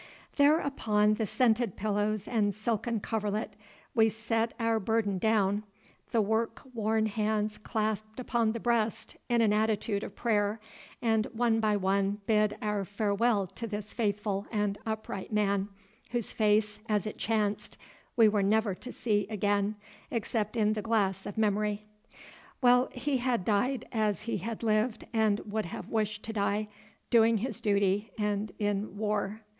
There upon the scented pillows and silken coverlet we set our burden down, the work worn hands clasped upon the breast in an attitude of prayer, and one by one bid our farewell to this faithful and upright man, whose face, as it chanced, we were never to see again, except in the glass of memory. Well, he had died as he had lived and would have wished to die—doing his duty and in war.